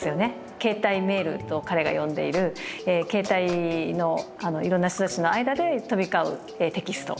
携帯メールと彼が呼んでいる携帯のいろんな人たちの間で飛び交うテキスト。